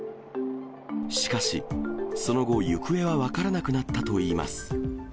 しかし、その後行方は分からなくなったといいます。